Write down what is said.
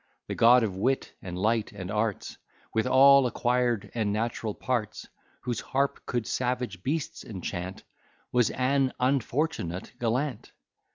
The God of Wit, and Light, and Arts, With all acquired and natural parts, Whose harp could savage beasts enchant, Was an unfortunate gallant.